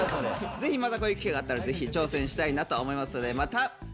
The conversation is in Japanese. ぜひまたこういう機会があったらぜひ挑戦したいなと思いますのでまたやらせて下さい。